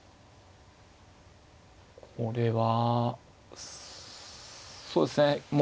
これはそうですね